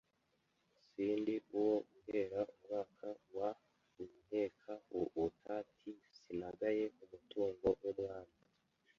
Sindi uwo guhera Umwaka wa Winkeka uutati Sinagaye umutungo w’umwami